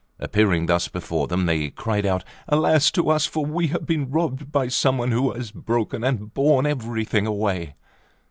Appearing thus before them, they cried out: "Alas to us! for we have been robbed by some one, who has broken and borne everything away!"